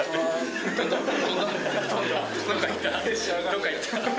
どっか行った？